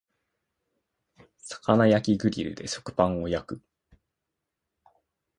魚焼きグリルで食パンを焼く